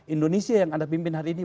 indonesia yang anda pimpin hari ini